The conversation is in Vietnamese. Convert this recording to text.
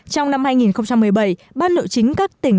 trong năm hai nghìn một mươi bảy ban nội chính các tỉnh